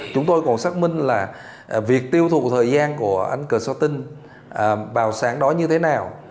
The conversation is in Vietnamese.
chúng tôi còn xác minh là việc tiêu thụ thời gian của anh cờ sọ tinh vào sáng đó như thế nào